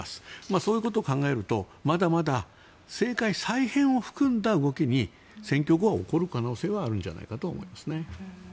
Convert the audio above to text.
そういうことを考えるとまだまだ政界再編を含んだ動きに選挙後は起こる可能性はあるんじゃないかと思います。